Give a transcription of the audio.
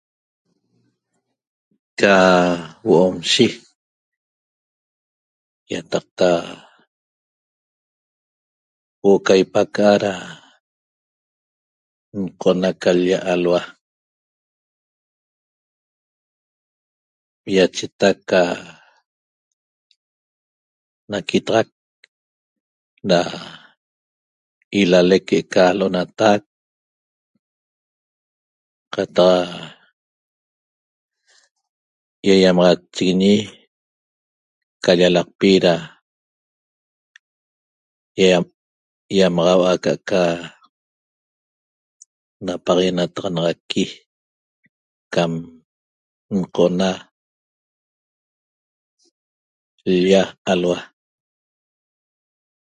Ca huo'omshi ýataqta huo'o ca ipaca'a da nqo'ona ca l-lla alhua ýachetac ca naquitaxac da ilalec que'eca l'onatac qataq ýaýamaxatchiguiñi ca llalaqpi da huo'o ýamaxaua'a aca'aca napaxaguenataxanaxaqui cam nqo'ona l-lla alhua